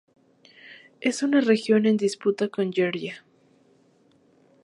Es una región en disputa con Georgia.